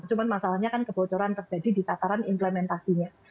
cuma masalahnya kan kebocoran terjadi di tataran implementasinya